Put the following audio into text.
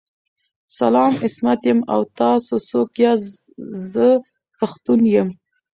سلام عصمت یم او تاسو څوک ياست ذه پښتون یم